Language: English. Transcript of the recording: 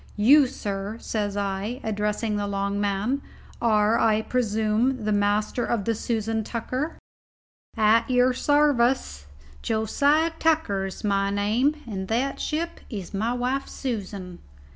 You, sir," says I, addressing the long man, "are, I presume, the master of the Susan Tucker?" "At your sarvice Josiah Tucker is my name, and that ship is my wife Susan."